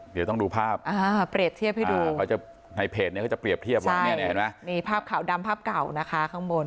เดี๋ยวต้องดูภาพเปรียบเทียบให้ดูในเพจนี้เขาจะเปรียบเทียบไว้เนี่ยเห็นไหมนี่ภาพขาวดำภาพเก่านะคะข้างบน